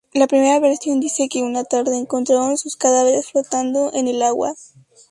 La primera versión dice que una tarde encontraron sus cadáveres flotando en el agua.